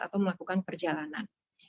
atau melakukan perjalanan